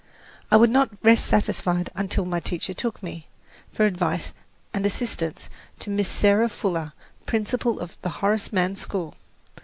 I would not rest satisfied until my teacher took me, for advice and assistance, to Miss Sarah Fuller, principal of the Horace Mann School.